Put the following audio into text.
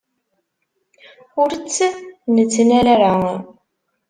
Ur tt-nettnal ara.